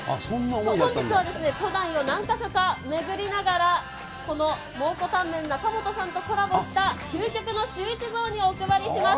本日は都内を何か所か巡りながら、この蒙古タンメン中本さんとコラボした、究極のシューイチ雑煮をお配りします。